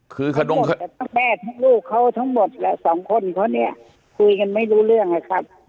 คือคุณลุงลูกเขาทั้งหมดแหละสองคนเพราะเนี่ยคุยกันไม่รู้เรื่องอ่ะครับ